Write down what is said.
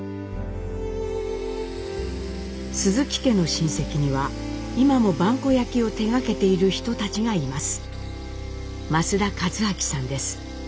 鈴木家の親戚には今も萬古焼を手がけている人たちがいます。